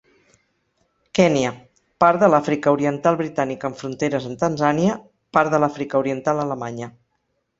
Kenya, part de l'Àfrica oriental britànica amb fronteres amb Tanzània, part de l'Àfrica oriental alemanya.